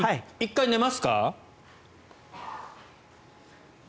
１回寝ますか？